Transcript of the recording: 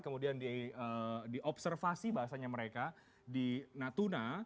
kemudian diobservasi bahasanya mereka di natuna